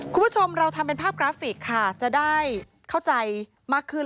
คุณผู้ชมเราทำเป็นภาพกราฟิกค่ะจะได้เข้าใจมากขึ้น